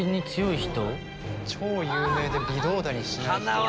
超有名で微動だにしない人。